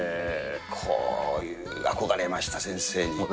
こういう憧れました、先生に。